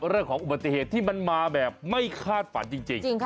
เรื่องของอุบัติเหตุที่มันมาแบบไม่คาดฝันจริง